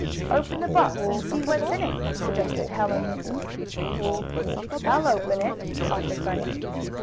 "Open the box, and see what's in it," suggested Helen Newton. "I'll open it," offered Bunny.